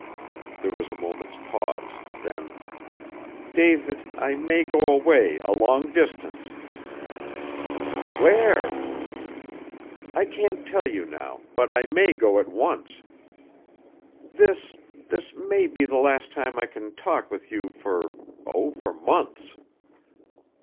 There was a moment's pause. Then, "David, I may go away a long distance." "Where?" "I can't tell you now, but I may go at once. This this may be the last time I can talk with you for oh, for months."